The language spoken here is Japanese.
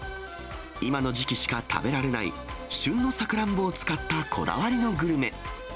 今の時期しか食べられない旬のさくらんぼを使ったこだわりのグルメ。